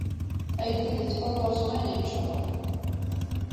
Ayeddid yettqudduṛ s wayen yeččuṛ.